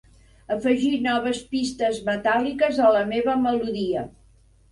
Afegir noves pistes metàl·liques a la meva melodia.